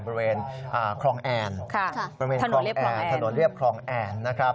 บริเวณครองแอ่นบริเวณถนนเรียบครองแอ่นนะครับ